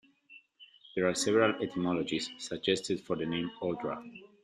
There are several etymologies suggested for the name "Odra".